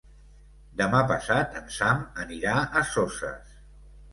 Demà passat en Sam anirà a Soses.